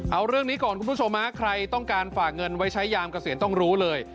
เอาเรื่องนี้ก่อนคุณผู้ชมใครต้องการฝากเงินไว้ใช้ยามเกษียณต้องรู้เลย